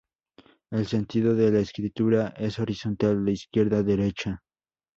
El sentido de la escritura es horizontal de izquierda a derecha.